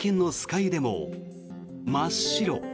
湯でも真っ白。